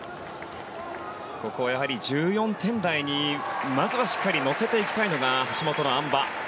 ここはやはり１４点台にまずはしっかり乗せていきたい橋本のあん馬。